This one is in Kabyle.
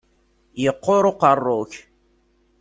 Yeqqur uqerru-k.